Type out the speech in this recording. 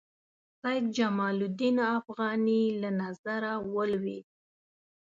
سید جمال الدین افغاني له نظره ولوېد.